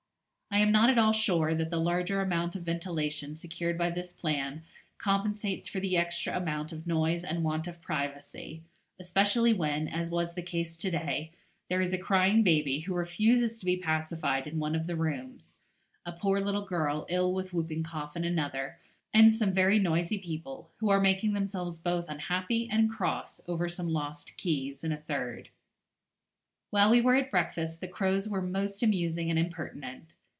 I am not at all sure that the larger amount of ventilation secured by this plan compensates for the extra amount of noise and want of privacy, especially when, as was the case to day, there is a crying baby who refuses to be pacified in one of the rooms, a poor little girl ill with whooping cough in another, and some very noisy people, who are making themselves both unhappy and cross over some lost keys, in a third. While we were at breakfast the crows were most amusing and impertinent.